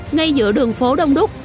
ngay giữa đường phố đông đúc